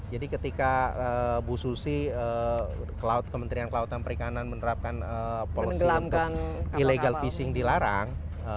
jadi ketika bu susi kementerian kelautan perikanan menerapkan policy untuk illegal fishing dilarang